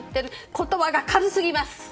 言葉が軽すぎます。